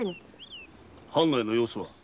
藩内の様子は？